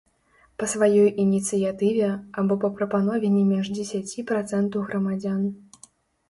Па сваёй ініцыятыве або па прапанове не менш дзесяці працэнтаў грамадзян.